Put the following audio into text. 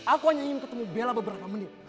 aku hanya ingin ketemu bella beberapa menit